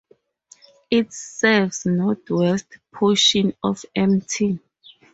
It serves northwest portions of Mt.